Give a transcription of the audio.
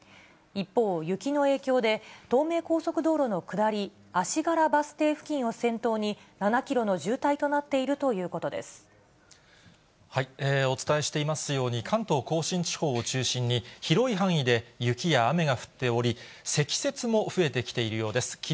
一方、雪の影響で、東名高速道路の下り、足柄バス停付近を先頭に、７キロの渋滞となっているということでお伝えしていますように、関東甲信地方を中心に、広い範囲で雪や雨が降っており、積雪も増えてきているようです。